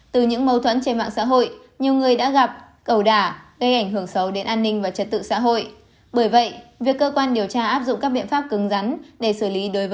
từ những mâu thuẫn trên mạng xã hội nhiều người đã gặp cầu đả gây ảnh hưởng xấu đến an ninh và trật tự xã hội